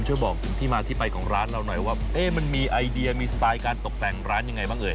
ช่วยบอกถึงที่มาที่ไปของร้านเราหน่อยว่ามันมีไอเดียมีสไตล์การตกแต่งร้านยังไงบ้างเอ่